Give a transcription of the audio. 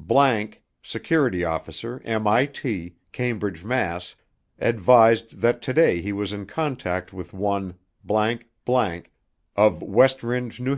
____, SECURITY OFFICER, M.I.T., CAMBRIDGE, MASS., ADVISED THAT TODAY HE WAS IN CONTACT WITH ONE ________ OF WEST RINDGE, N.